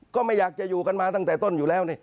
ก็ไม่อยากจะอยู่กันมาตั้งแต่ต้นอยู่แล้วนี่